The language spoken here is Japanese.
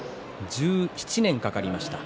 １７年かかりました。